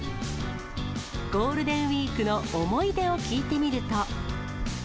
ゴールデンウィークの思い出を聞いてみると。